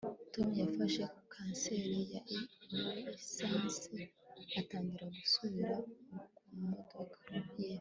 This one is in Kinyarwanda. t] tom yafashe kanseri ya lisansi atangira gusubira mu modoka ye